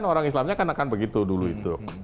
orang islamnya kan akan begitu dulu itu